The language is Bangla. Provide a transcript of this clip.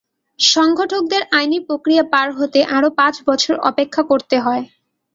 সংগঠকদের আইনি প্রক্রিয়া পার হতে আরও পাঁচ বছর অপেক্ষা করতে হয়।